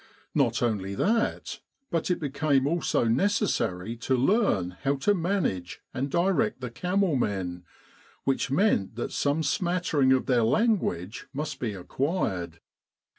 Not only that, but it became also necessary to learn how to manage and direct the camel men, which meant that some smattering of their language must be acquired.